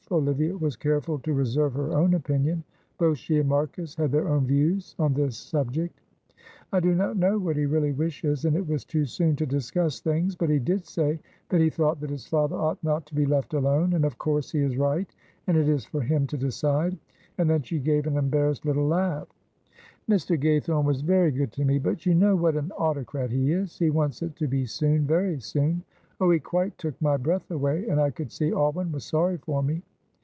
Olivia was careful to reserve her own opinion. Both she and Marcus had their own views on this subject. "I do not know what he really wishes, and it was too soon to discuss things, but he did say that he thought that his father ought not to be left alone, and, of course, he is right, and it is for him to decide," and then she gave an embarrassed little laugh. "Mr. Gaythorne was very good to me, but you know what an autocrat he is. He wants it to be soon, very soon. Oh, he quite took my breath away, and I could see Alwyn was sorry for me.